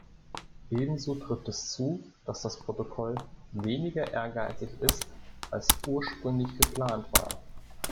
Ebenso trifft es zu, dass das Protokoll weniger ehrgeizig ist als ursprünglich geplant war.